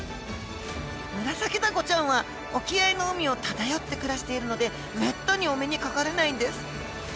ムラサキダコちゃんは沖合の海を漂って暮らしているのでめったにお目にかかれないんです。